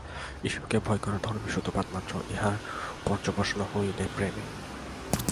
ঈশ্বরকে ভয় করা ধর্মের সূত্রপাত মাত্র, উহার পর্যবসান হইল প্রেমে।